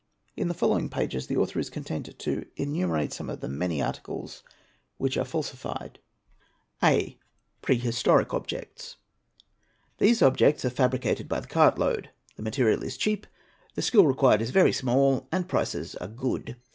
| In the following pages the author is content to innumerate some of | the many articles which are falsified. ite FABRICATION OF ANTIQUITIES, ETC. 833 A. Prehistoric Objects. These objects are fabricated by the cart load. The material is cheap, the skill required is very small, and prices are good.